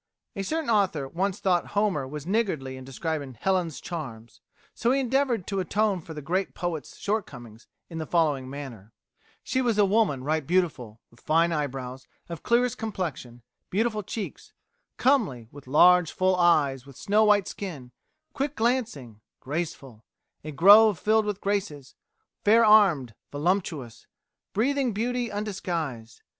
A certain author once thought Homer was niggardly in describing Helen's charms, so he endeavoured to atone for the great poet's shortcomings in the following manner: "She was a woman right beautiful, with fine eyebrows, of clearest complexion, beautiful cheeks; comely, with large, full eyes, with snow white skin, quick glancing, graceful; a grove filled with graces, fair armed, voluptuous, breathing beauty undisguised.